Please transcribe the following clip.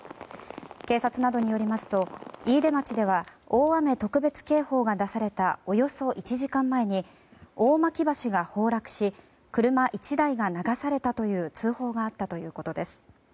警察などによりますと飯豊町では大雨特別警報が出されたおよそ１時間前に大巻橋が崩落し車１台が流されたという通報があったということです。